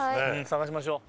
探しましょう。